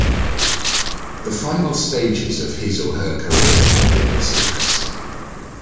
The final stages of his/her career are a bit less interesting.